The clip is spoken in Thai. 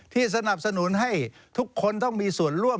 สนับสนุนให้ทุกคนต้องมีส่วนร่วม